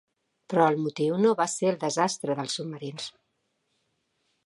Però el motiu no va ser el desastre dels submarins.